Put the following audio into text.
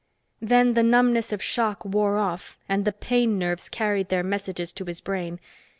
Then the numbness of shock wore off and the pain nerves carried their messages to his brain.